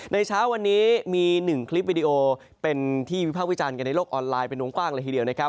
เช้าวันนี้มี๑คลิปวิดีโอเป็นที่วิภาควิจารณ์กันในโลกออนไลน์เป็นวงกว้างเลยทีเดียวนะครับ